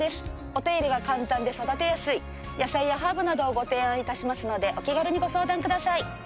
お手入れが簡単で育てやすい野菜やハーブなどをご提案致しますのでお気軽にご相談ください。